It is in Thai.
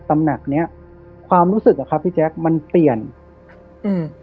ตำหนักเนี้ยความรู้สึกอะครับพี่แจ๊คมันเปลี่ยนอืม